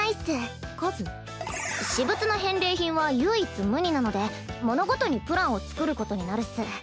私物の返礼品は唯一無二なので物ごとにプランを作ることになるっス。